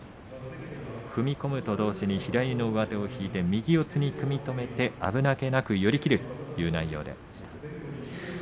踏み込むと同時に左の上手を引いて右四つに組み止めて危なげなく寄り切るという内容でした。